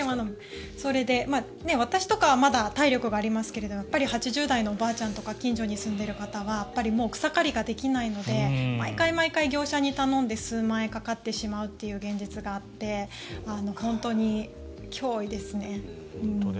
それで、私とかはまだ体力がありますけど８０代のおばあちゃんとか近所に住んでいる方は草刈りがもうできないので毎回、業者に頼んで数万円かかってしまうという現実があって本当に脅威ですね。